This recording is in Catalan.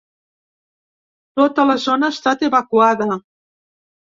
Tota la zona ha estat evacuada.